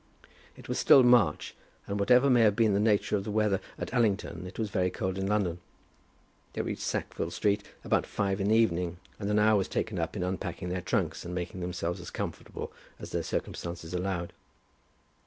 It was still March, and whatever may have been the nature of the weather at Allington, it was very cold in London. They reached Sackville Street about five in the evening, and an hour was taken up in unpacking their trunks and making themselves as comfortable as their circumstances allowed.